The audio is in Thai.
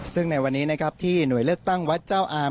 ซึ่งในวันนี้นะครับที่หน่วยเลือกตั้งวัดเจ้าอาม